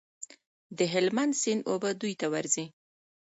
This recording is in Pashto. د هلمند سیند اوبه دوی ته ورځي.